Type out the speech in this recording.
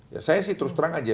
ya saya sih terus terang aja